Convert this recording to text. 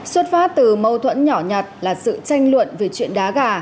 xuất phát từ mâu thuẫn nhỏ nhặt là sự tranh luận về chuyện đá gà